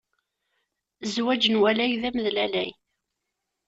Zzwaǧ n walag d amedlalag.